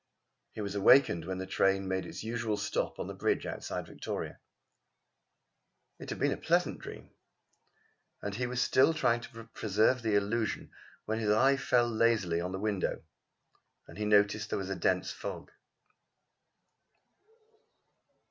He was awakened when the train made its usual stop on the bridge outside Victoria. It had been a pleasant dream, and he was still trying to preserve the illusion when his eye fell lazily on the window, and he noticed that there was a dense fog.